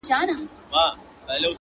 • ډېر پخوا په ولايت کي د تاتارو,